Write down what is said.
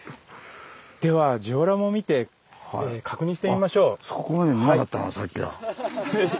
ではジオラマを見て確認してみましょう。